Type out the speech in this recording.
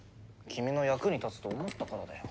君の役に立つと思ったからだよ。